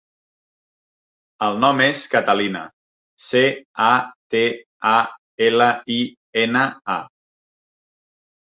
El nom és Catalina: ce, a, te, a, ela, i, ena, a.